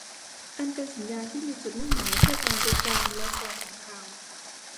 อันเป็นสัญญาที่มีจุดมุ่งหมายเพื่อการรุกรานและก่อสงคราม